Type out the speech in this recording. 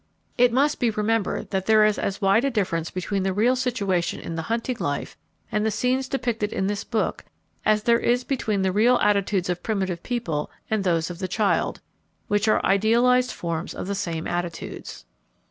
It must be remembered that there is as wide a difference between the real situation in the hunting life and the scenes depicted in this book as there is between the real attitudes of primitive people and those of the child, which are idealized forms of the same attitudes.